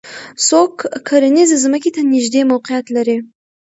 څوک کرنیزې ځمکې ته نږدې موقعیت لري